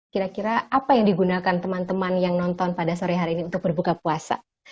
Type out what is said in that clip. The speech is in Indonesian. kira kira apa yang digunakan teman teman yang nonton pada sore hari ini untuk berbuka puasa